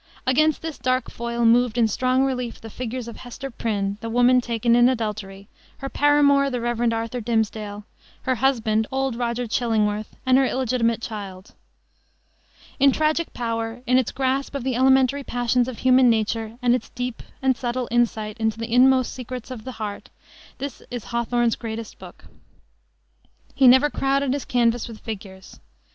Against this dark foil moved in strong relief the figures of Hester Prynne, the woman taken in adultery, her paramour, the Rev. Arthur Dimmesdale, her husband, old Roger Chillingworth, and her illegitimate child. In tragic power, in its grasp of the elementary passions of human nature and its deep and subtle insight into the inmost secrets of the heart, this is Hawthorne's greatest book. He never crowded his canvas with figures.